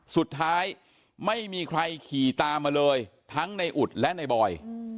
สุดท้ายไม่มีใครขี่ตามมาเลยทั้งในอุดและในบอย